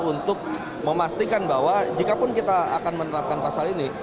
untuk memastikan bahwa jikapun kita akan menerapkan pasal ini